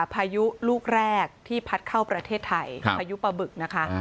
พายุลูกแรกที่พัดเข้าประเทศไทยพายุปะบึกนะคะ